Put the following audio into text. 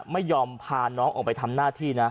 ไม่ยอมพาน้องออกไปทำหน้าที่นะ